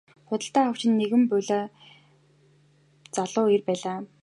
Худалдан авагч нь нэгэн булиа залуу эр байлаа.